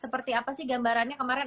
seperti apa sih gambarannya kemarin